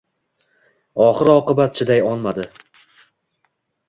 Oxir-oqibat chiday olmadi: